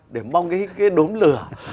để mong cái đốm lửa